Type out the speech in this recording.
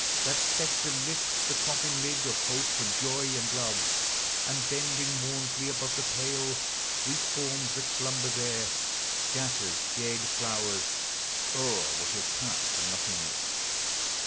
That spectre lifts The coffin lid of Hope and Joy and Love, And bending mournfully above the pale, Sweet forms that slumber there, scatters dead flowers O 'er what has passed to nothingness.